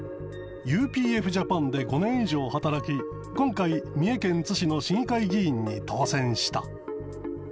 ＵＰＦジャパンで５年以上働き、今回、三重県津市の市議会議員に当選した。